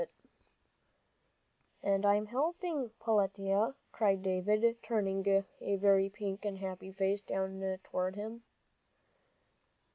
SHOUTED JOEL"] "And I'm helping, Peletiah," cried David, turning a very pink and happy face down toward him.